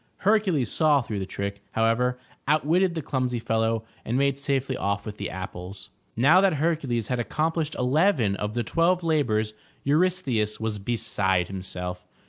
Hercules saw through the trick, however, outwitted the clumsy fellow, and made safely off with the apples. Now that Hercules had accomplished eleven of the twelve labors, Eurystheus was beside himself.